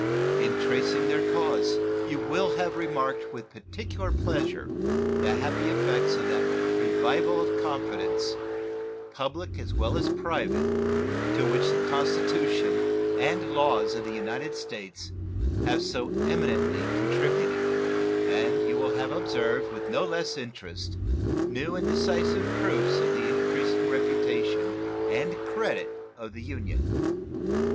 In tracing their causes you will have remarked with particular pleasure the happy effects of that revival of confidence, public as well as private, to which the Constitution and laws of the United States have so eminently contributed; and you will have observed with no less interest new and decisive proofs of the increasing reputation and credit of the nation.